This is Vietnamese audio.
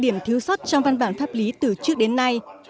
và những điểm thiếu sót trong văn bản pháp lý từ trước đến nay